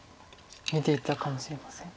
見ていたかもしれません。